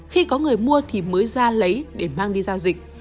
khi có người mua thì mới ra lấy để mang đi giao dịch